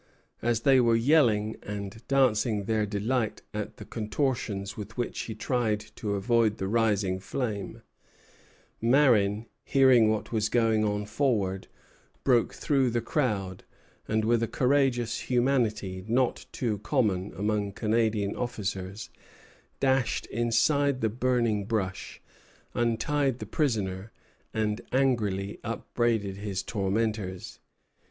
As they were yelling and dancing their delight at the contortions with which he tried to avoid the rising flames, Marin, hearing what was going forward, broke through the crowd, and with a courageous humanity not too common among Canadian officers, dashed aside the burning brush, untied the prisoner, and angrily upbraided his tormentors.